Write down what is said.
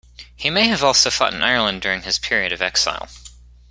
He may also have fought in Ireland during this period of exile.